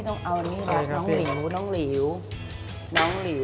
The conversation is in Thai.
เผ็ดนะ